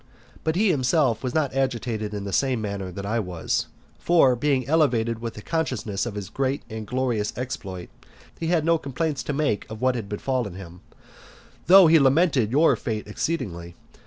But he himself was not agitated in the same manner that I was; for, being elevated with the consciousness of his great and glorious exploit, he had no complaints to make of what had befallen him, though he lamented your fate exceedingly.